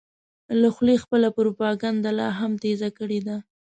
له خولې خپله پروپیګنډه لا هم تېزه کړې ده.